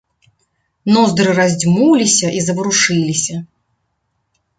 Ноздры раздзьмуліся і заварушыліся.